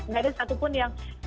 gak ada satu pun yang